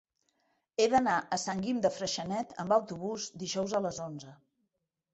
He d'anar a Sant Guim de Freixenet amb autobús dijous a les onze.